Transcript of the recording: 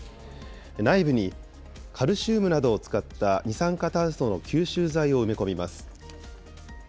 内部にカルシウムなどを使った二酸化炭素の吸収材を埋め込みます。